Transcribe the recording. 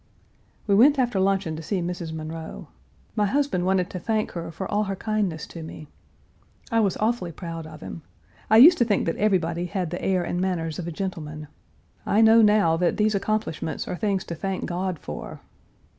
We went after luncheon to see Mrs. Munroe. My husband wanted to thank her for all her kindness to me. I was awfully proud of him. I used to think that everybody had the air and manners of a gentleman. I know now that these accomplishments are things to thank God for.